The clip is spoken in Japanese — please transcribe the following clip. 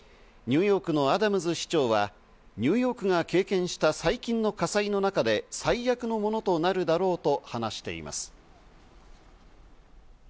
ニューヨークのアダムズ市長はニューヨークが経験した最近の火災の中で最悪のものとなるだろうと話しています。